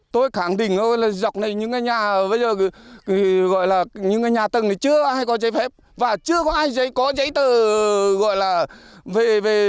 tôi khẳng định thôi là dọc những cái nhà bây giờ gọi là những cái nhà tầng này chưa ai có giấy phép và chưa có ai có giấy tờ gọi là về